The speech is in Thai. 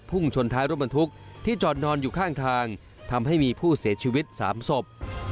ชนท้ายรถบรรทุกที่จอดนอนอยู่ข้างทางทำให้มีผู้เสียชีวิต๓ศพ